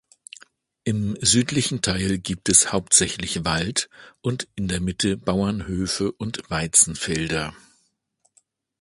Im südlichen Teil gibt es hauptsächlich Wald und in der Mitte Bauernhöfe und Weizenfelder.